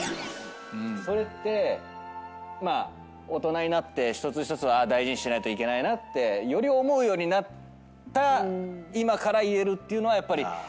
それって大人になって一つ一つ大事にしないといけないなってより思うようになった今から言えるっていうのはやっぱり。